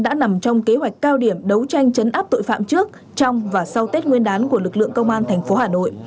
đã nằm trong kế hoạch cao điểm đấu tranh chấn áp tội phạm trước trong và sau tết nguyên đán của lực lượng công an tp hà nội